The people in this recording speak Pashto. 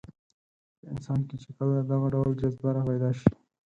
په انسان کې چې کله دغه ډول جذبه راپیدا شي.